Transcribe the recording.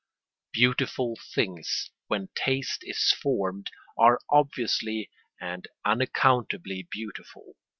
Beautiful things, when taste is formed, are obviously and unaccountably beautiful.